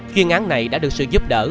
chuyên án này đã được sự giúp đỡ